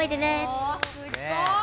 おすごい！